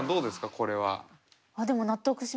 これは。